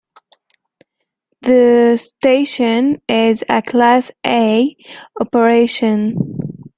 The station is a Class-A operation.